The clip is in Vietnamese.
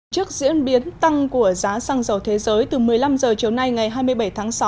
trước diễn biến tăng của giá xăng dầu thế giới từ một mươi năm h chiều nay ngày hai mươi bảy tháng sáu